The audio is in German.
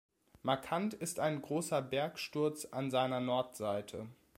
Markant ist ein großer Bergsturz an seiner Nordseite.